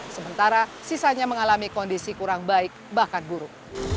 sementara sisanya mengalami kondisi kurang baik bahkan buruk